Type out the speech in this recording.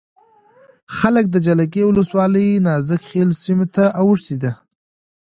څخه د جلگې ولسوالی دنازک خیلو سیمې ته اوښتې ده